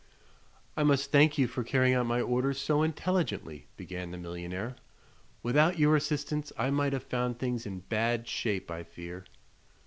"I must thank you for carrying out my orders so intelligently," began the millionaire. "Without your assistance I might have found things in bad shape, I fear."